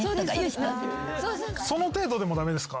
その程度でも駄目ですか？